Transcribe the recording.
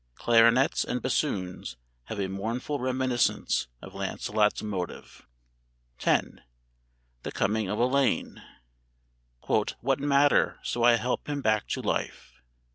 Clarinets and bassoons have a mournful reminiscence of Lancelot's motive.] X. "THE COMING OF ELAINE." ("What matter, so I help him back to life?")